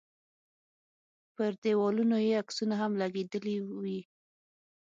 پر دیوالونو یې عکسونه هم لګېدلي وي.